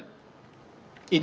dalam kondisi tidak ada hujan